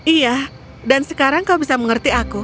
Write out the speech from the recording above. iya dan sekarang kau bisa mengerti aku